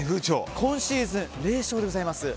今シーズン、０勝でございます。